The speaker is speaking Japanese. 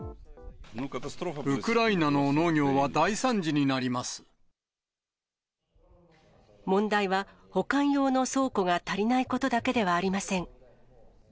ウクライナの農業は大惨事に問題は、保管用の倉庫が足りないことだけではありません。